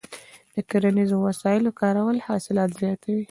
د کرنیزو وسایلو کارول حاصلات زیاتوي.